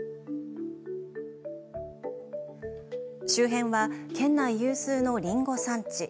周辺は県内有数のりんご産地。